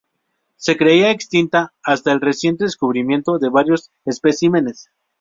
Se creía extinta hasta el reciente descubrimiento de varios especímenes.